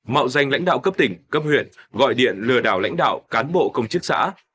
mạo danh lãnh đạo cấp tỉnh cấp huyện gọi điện lừa đảo lãnh đạo cán bộ công chức xã